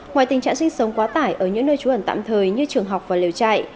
ngoài tình trạng sinh sống quá tải ở những nơi trú ẩn tạm thời như trường học và liều chạy